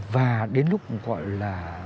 và đến lúc gọi là